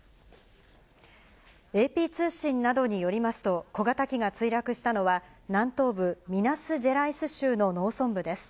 ＡＰ通信などによりますと、小型機が墜落したのは、南東部ミナスジェライス州の農村部です。